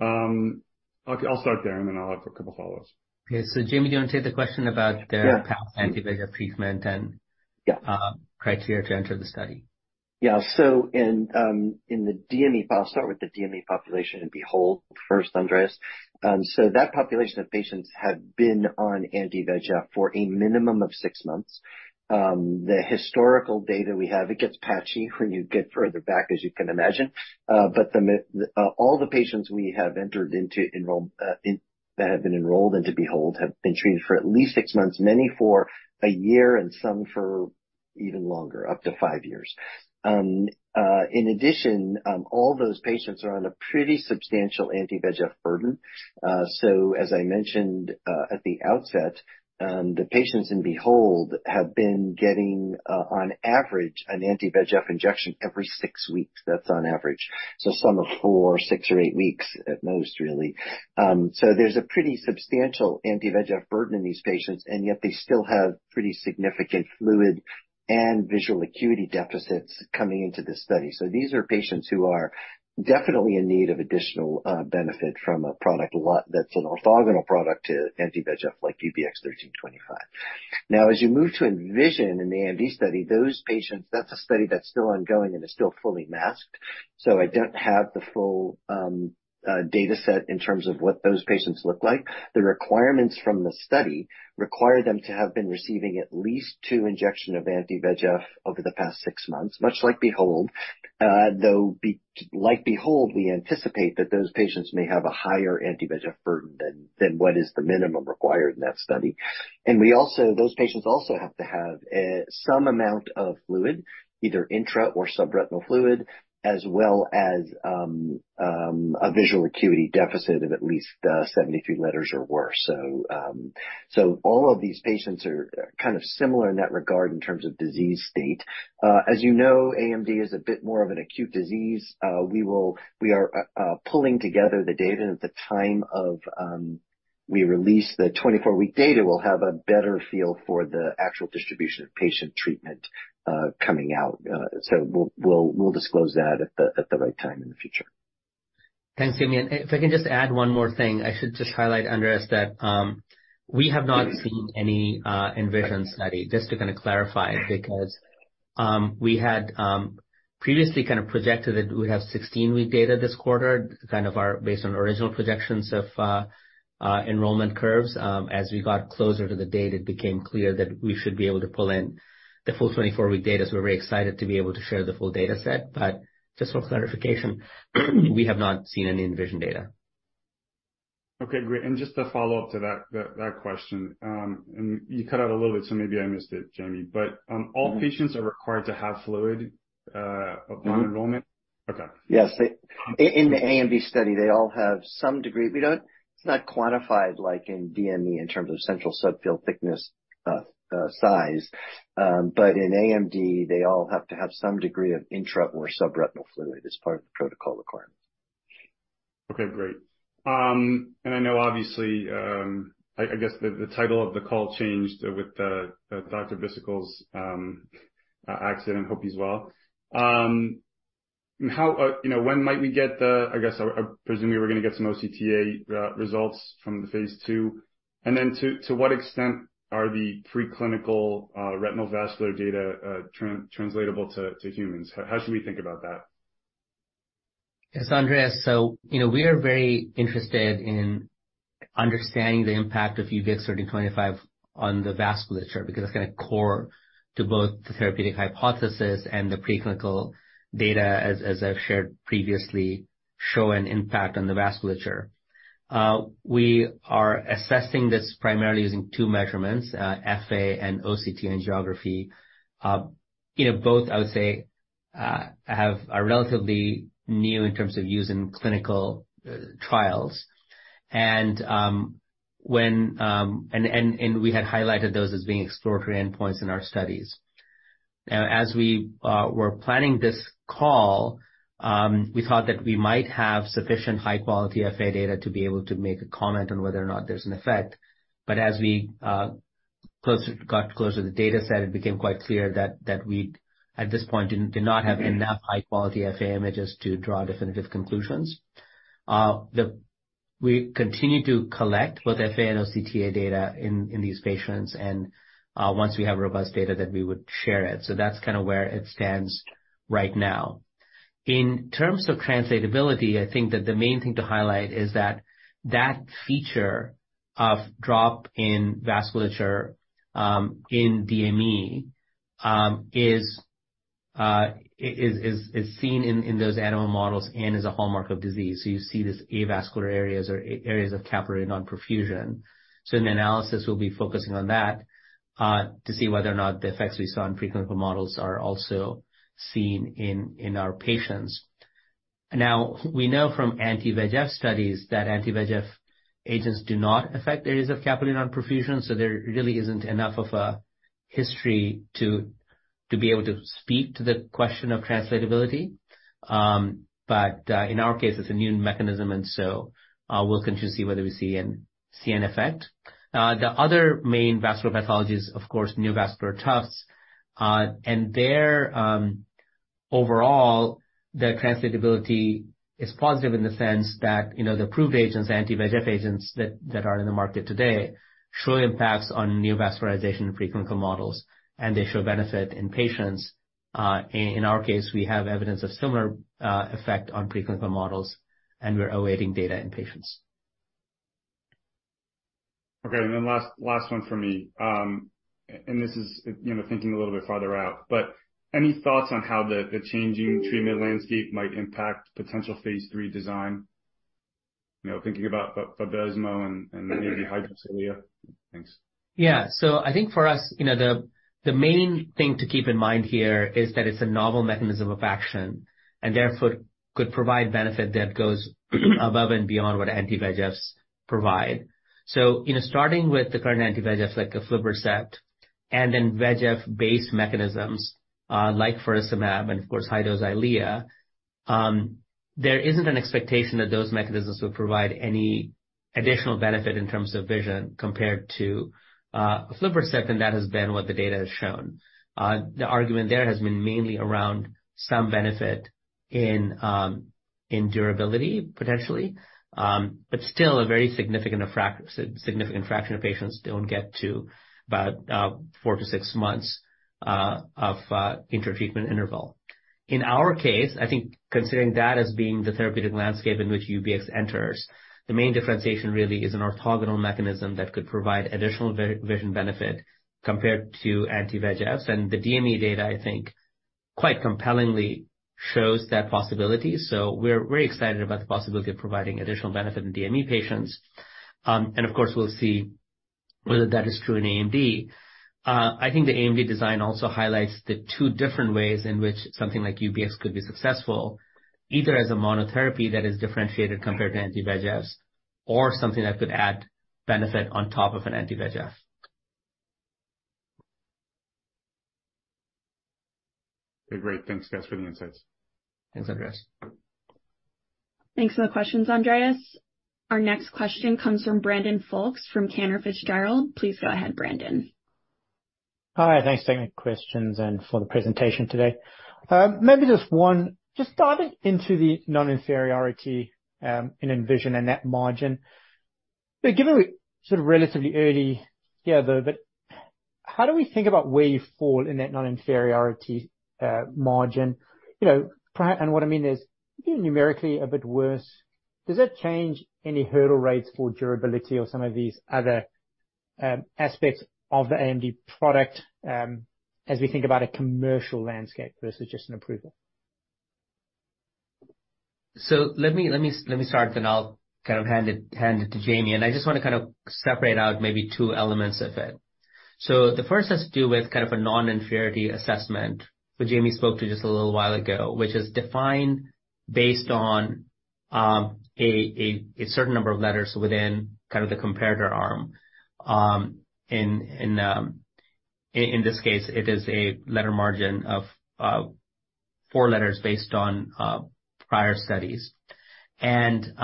I'll start there, and then I'll have a couple follows. Okay. Jamie, do you want to take the question? Yeah. the anti-VEGF treatment and- Yeah. criteria to enter the study? In the DME, I'll start with the DME population in BEHOLD first, Andreas. That population of patients have been on anti-VEGF for a minimum of six months. The historical data we have, it gets patchy when you get further back, as you can imagine. But all the patients we have entered into enroll in, that have been enrolled into BEHOLD have been treated for at least six months, many for one year and some for even longer, up to five years. In addition, all those patients are on a pretty substantial anti-VEGF burden. As I mentioned at the outset, the patients in BEHOLD have been getting on average, an anti-VEGF injection every six weeks. That's on average. Some are four, six or eight weeks at most, really. There's a pretty substantial anti-VEGF burden in these patients, and yet they still have pretty significant fluid and visual acuity deficits coming into this study. These are patients who are definitely in need of additional benefit from a product that's an orthogonal product to anti-VEGF like UBX1325. Now, as you move to ENVISION in the AMD study, those patients, that's a study that's still ongoing and is still fully masked. I don't have the full data set in terms of what those patients look like. The requirements from the study require them to have been receiving at least two injection of anti-VEGF over the past six months, much like BEHOLD. Though like BEHOLD, we anticipate that those patients may have a higher anti-VEGF burden than what is the minimum required in that study. Those patients also have to have some amount of fluid, either intra or subretinal fluid, as well as a visual acuity deficit of at least 73 letters or worse. All of these patients are kind of similar in that regard in terms of disease state. As you know, AMD is a bit more of an acute disease. We will, we are pulling together the data. At the time we release the 24-week data, we'll have a better feel for the actual distribution of patient treatment coming out. We'll disclose that at the right time in the future. Thanks, Jamie. If I can just add one more thing. I should just highlight, Andreas, that we have not seen any ENVISION study, just to kind of clarify, because we had previously kind of projected that we'd have 16-week data this quarter, kind of our, based on original projections of enrollment curves. As we got closer to the date, it became clear that we should be able to pull in the full 24-week data. We're very excited to be able to share the full data set. Just for clarification, we have not seen any ENVISION data. Okay, great. Just a follow-up to that question. You cut out a little bit, so maybe I missed it, Jamie. All patients are required to have fluid upon enrollment? Mm-hmm. Okay. Yes. In the AMD study, they all have some degree. It's not quantified like in DME in terms of Central Subfield Thickness size. In AMD, they all have to have some degree of intra or subretinal fluid as part of the protocol requirements. Okay, great. I know obviously, I guess the title of the call changed with Dr. Bhisitkul's accident. Hope he's well. How, you know, when might we get the... I guess, I presume we were gonna get some OCTA results from the phase II. To what extent are the preclinical retinal vascular data translatable to humans? How should we think about that? Yes, Andreas. You know, we are very interested in understanding the impact of UBX1325 on the vasculature because it's kinda core to both the therapeutic hypothesis and the preclinical data, as I've shared previously, show an impact on the vasculature. We are assessing this primarily using two measurements, FA and OCT angiography. You know, both, I would say, are relatively new in terms of use in clinical trials. We had highlighted those as being exploratory endpoints in our studies. As we were planning this call, we thought that we might have sufficient high-quality FA data to be able to make a comment on whether or not there's an effect. As we closer, got closer to the data set, it became quite clear that we, at this point, did not have enough high-quality FA images to draw definitive conclusions. We continue to collect both FA and OCTA data in these patients, and once we have robust data, then we would share it. That's kind of where it stands right now. In terms of translatability, I think that the main thing to highlight is that that feature of drop in vasculature in DME is seen in those animal models and is a hallmark of disease. You see these avascular areas or areas of capillary non-perfusion. An analysis will be focusing on that to see whether or not the effects we saw in preclinical models are also seen in our patients. We know from anti-VEGF studies that anti-VEGF agents do not affect areas of capillary non-perfusion, so there really isn't enough of a history to be able to speak to the question of translatability. In our case, it's a new mechanism, we'll continue to see whether we see an effect. The other main vascular pathologies, of course, neovascular tufts. There, overall, the translatability is positive in the sense that, you know, the approved agents, anti-VEGF agents that are in the market today, show impacts on neovascularization in preclinical models, and they show benefit in patients. In our case, we have evidence of similar effect on preclinical models, and we're awaiting data in patients. Okay. Last one for me. This is, you know, thinking a little bit farther out, but any thoughts on how the changing treatment landscape might impact potential phase III design? You know, thinking about Vabysmo and maybe Hydrosalia. Thanks. Yeah. I think for us, you know, the main thing to keep in mind here is that it's a novel mechanism of action, and therefore could provide benefit that goes above and beyond what anti-VEGFs provide. You know, starting with the current anti-VEGF like aflibercept and then VEGF-based mechanisms, like faricimab and of course, Hydrosalia, there isn't an expectation that those mechanisms would provide any additional benefit in terms of vision compared to aflibercept, and that has been what the data has shown. The argument there has been mainly around some benefit in durability, potentially. still a very significant significant fraction of patients don't get to about four to six months of inter-treatment interval. In our case, I think considering that as being the therapeutic landscape in which UBX enters, the main differentiation really is an orthogonal mechanism that could provide additional vision benefit compared to anti-VEGFs. The DME data, I think, quite compellingly shows that possibility. We're very excited about the possibility of providing additional benefit in DME patients. Of course, we'll see whether that is true in AMD. I think the AMD design also highlights the two different ways in which something like UBX could be successful, either as a monotherapy that is differentiated compared to anti-VEGF or something that could add benefit on top of an anti-VEGF. Okay. Great. Thanks, guys, for the insights. Thanks, Andreas. Thanks for the questions, Andreas. Our next question comes from Brandon Folkes from Cantor Fitzgerald. Please go ahead, Brandon. Hi. Thanks for taking the questions and for the presentation today. Maybe just one. Just diving into the non-inferiority in ENVISION and net margin. Given we're sort of relatively early here, though, but how do we think about where you fall in that non-inferiority margin? You know, and what I mean is, numerically a bit worse, does that change any hurdle rates for durability or some of these other aspects of the AMD product as we think about a commercial landscape versus just an approval? Let me start, then I'll kind of hand it to Jamie. I just want to kind of separate out maybe two elements of it. The first has to do with kind of a non-inferiority assessment that Jamie spoke to just a little while ago, which is defined based on a certain number of letters within kind of the comparator arm. In this case, it is a letter margin of four letters based on prior studies. Then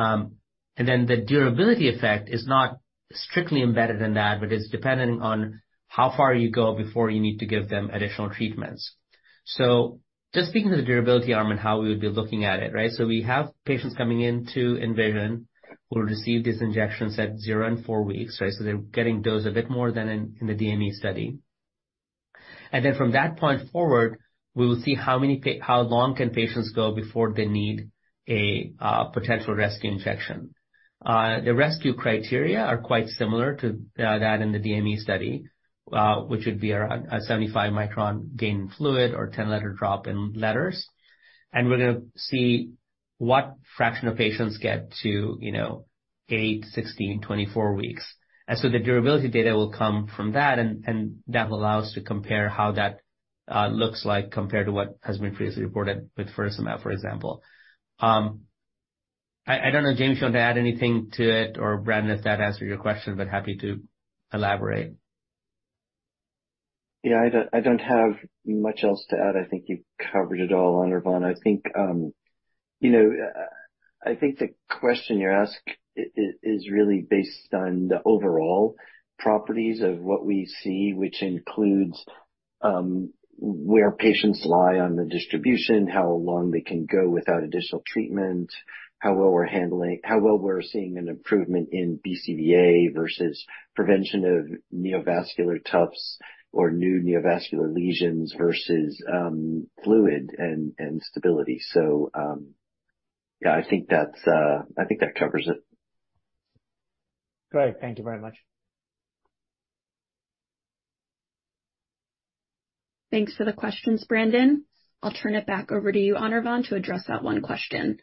the durability effect is not strictly embedded in that, but it's dependent on how far you go before you need to give them additional treatments. Just speaking to the durability arm and how we would be looking at it, right? We have patients coming in to ENVISION who will receive these injections at zero and four weeks, right. They're getting dosed a bit more than in the DME study. From that point forward, we will see how many how long can patients go before they need a potential rescue injection. The rescue criteria are quite similar to that in the DME study, which would be around a 75-micron gain in fluid or 10-letter drop in letters. We're gonna see what fraction of patients get to, you know, eight, 16, 24 weeks. The durability data will come from that and that will allow us to compare how that looks like compared to what has been previously reported with faricimab, for example. I don't know, Jamie, if you want to add anything to it or Brandon, if that answered your question, but happy to elaborate. Yeah. I don't, I don't have much else to add. I think you covered it all, Anirvan. I think, you know, I think the question you're asking is really based on the overall properties of what we see, which includes, where patients lie on the distribution, how long they can go without additional treatment, how well we're seeing an improvement in BCVA versus prevention of neovascular tufts or new neovascular lesions versus, fluid and stability. Yeah, I think that's, I think that covers it. Great. Thank you very much. Thanks for the questions, Brandon. I'll turn it back over to you, Anirvan, to address that one question.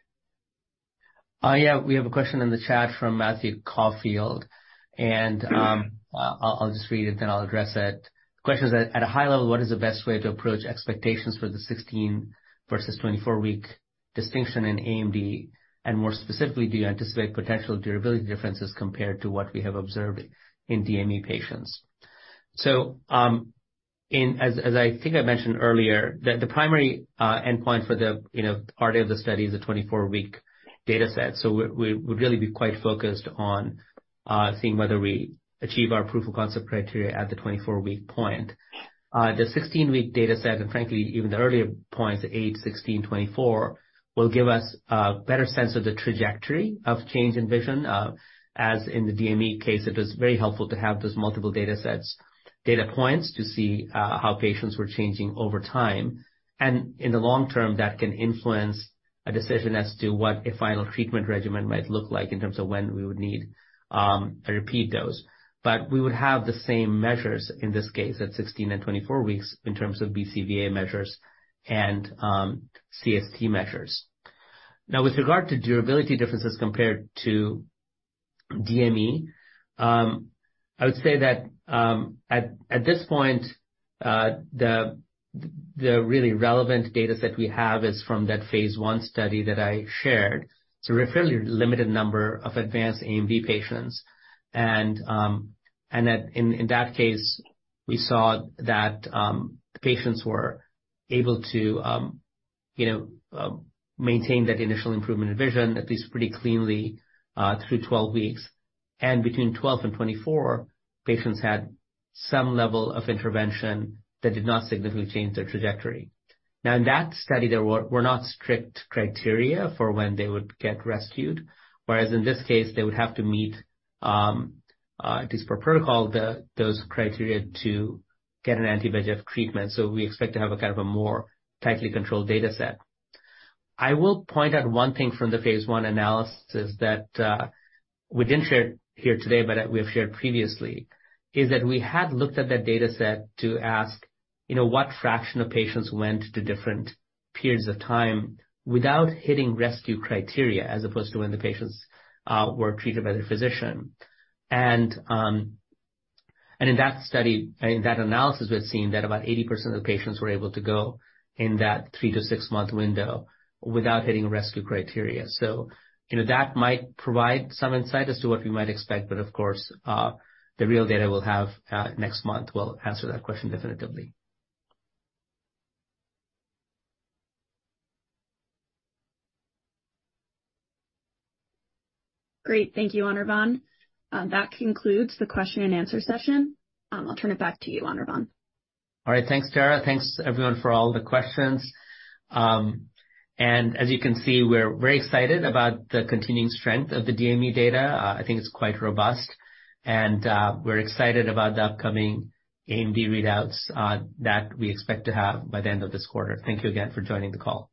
Yeah, we have a question in the chat from Matthew Caulfield. I'll just read it, then I'll address it. The question is at a high level, what is the best way to approach expectations for the 16 versus 24-week distinction in AMD? More specifically, do you anticipate potential durability differences compared to what we have observed in DME patients? As I think I mentioned earlier, the primary endpoint for the, you know, part of the study is the 24-week data set. We would really be quite focused on seeing whether we achieve our proof of concept criteria at the 24-week point. The 16-week data set, and frankly, even the earlier points, eight, 16, 24, will give us a better sense of the trajectory of change in vision. As in the DME case, it was very helpful to have those multiple data sets, data points to see how patients were changing over time. In the long term, that can influence a decision as to what a final treatment regimen might look like in terms of when we would need a repeat dose. We would have the same measures in this case at 16 and 24 weeks in terms of BCVA measures and CST measures. With regard to durability differences compared to DME, I would say that at this point, the really relevant data set we have is from that phase I study that I shared. It's a fairly limited number of advanced AMD patients. In that case, we saw that patients were able to, you know, maintain that initial improvement in vision at least pretty cleanly through 12 weeks. Between 12 and 24, patients had some level of intervention that did not significantly change their trajectory. Now, in that study, there were not strict criteria for when they would get rescued, whereas in this case, they would have to meet at least per protocol, the, those criteria to get an anti-VEGF treatment. We expect to have a kind of a more tightly controlled data set. I will point out one thing from the phase one analysis that we didn't share here today, but we have shared previously, is that we had looked at that data set to ask, you know, what fraction of patients went to different periods of time without hitting rescue criteria as opposed to when the patients were treated by their physician. In that study, in that analysis, we had seen that about 80% of the patients were able to go in that three to six month window without hitting rescue criteria. You know, that might provide some insight as to what we might expect. Of course, the real data we'll have next month will answer that question definitively. Great. Thank you, Anirvan. That concludes the question and answer session. I'll turn it back to you, Anirvan. All right. Thanks, Tara. Thanks, everyone, for all the questions. As you can see, we're very excited about the continuing strength of the DME data. I think it's quite robust. We're excited about the upcoming AMD readouts that we expect to have by the end of this quarter. Thank you again for joining the call.